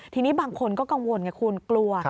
ทีนี้บางคนก็กังวลไงคุณกลัว